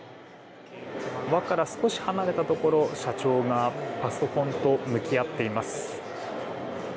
輪から少し離れたところ社長がパソコンと向き合っています。